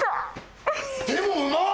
でもうまっ！